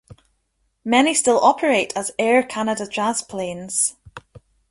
Many still operate as Air Canada Jazz planes.